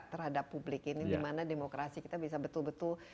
terhadap publik ini dimana demokrasi kita bisa betul betul